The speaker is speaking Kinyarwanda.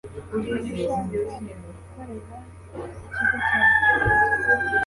Kuki ushaka gukorera ikigo cyacu?